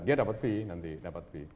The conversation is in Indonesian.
dia dapat fee nanti dapat fee